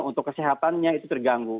untuk kesehatannya itu terganggu